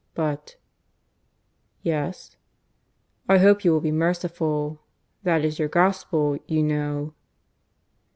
But " "Yes?" "I hope you will be merciful. That is your Gospel, you know."